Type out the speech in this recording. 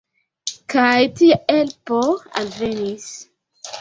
Kaj tia helpo alvenis.